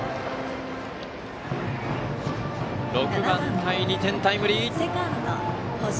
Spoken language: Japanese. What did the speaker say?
６番田井、２点タイムリー。